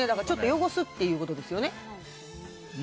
ちょっと汚すっていうことですよね。